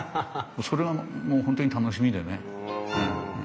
それはもう本当に楽しみでね。